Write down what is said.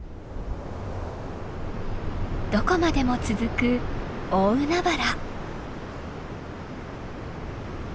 どこまでも続く大海原。